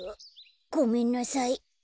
ごめんなさい。